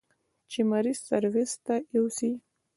چې مريض سرويس ته يوسي.